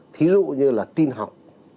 thí dụ như là tin học